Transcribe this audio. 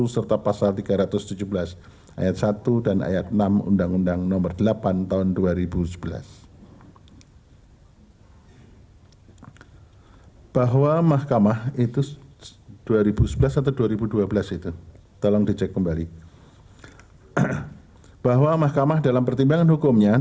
serta pasal tiga ratus tujuh belas ayat satu dan ayat enam undang undang nomor delapan tahun dua ribu sebelas